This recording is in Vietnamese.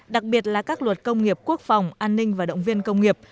đặc biệt là các luật công nghiệp quốc phòng an ninh và động viên công nghiệp